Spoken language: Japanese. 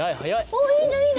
おっいいねいいね。